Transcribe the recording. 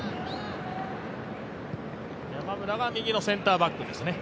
山村は右のセンターバックですね。